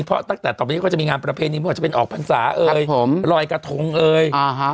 เพราะตั้งแต่ต่อไปนี้ก็จะมีงานประเพณีไม่ว่าจะเป็นออกพรรษาเอ่ยลอยกระทงเอ่ยอ่าฮะ